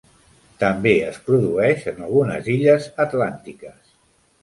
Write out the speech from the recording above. També es produeix en algunes illes atlàntiques.